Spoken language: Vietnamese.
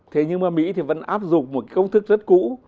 thế nhưng mà mỹ thì vẫn áp dụng một công thức rất cũ